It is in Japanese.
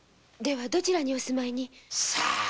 どちらにお住まいに？